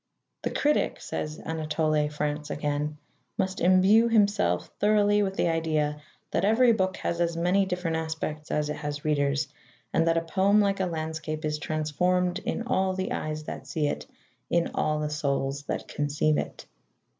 "The critic," says Anatole France again, "must imbue himself thoroughly with the idea that every book has as many different aspects as it has readers, and that a poem, like a landscape, is transformed in all the eyes that see it, in all the souls that conceive it."